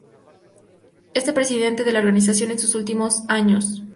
Fue presidente de la organización en sus últimos años.